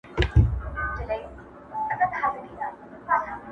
په غیرت او شجاعت مو نوم نښان وو!!